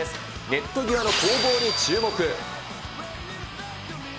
ネット際での攻防に注目。